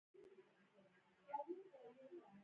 خنثی رنګونه د اسیدي او قلوي رنګونو مخلوط څخه لاس ته راځي.